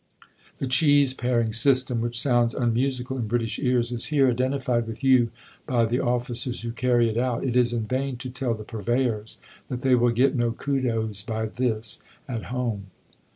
The cheese paring system, which sounds unmusical in British ears, is here identified with you by the officers who carry it out. It is in vain to tell the Purveyors that they will get no kudos by this at home."